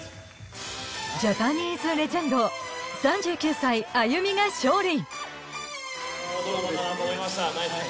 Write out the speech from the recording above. ジャパニーズレジェンド３９歳、Ａｙｕｍｉが勝利。